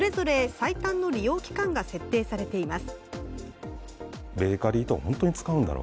最短の利用期間が設定されています。